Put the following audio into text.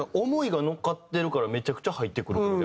思いが乗っかってるからめちゃくちゃ入ってくる。